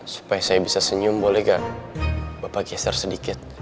supaya saya bisa senyum boleh kan bapak geser sedikit